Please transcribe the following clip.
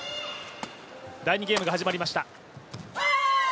第２ゲームが始まりました。